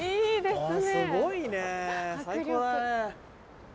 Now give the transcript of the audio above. すごいね最高だね！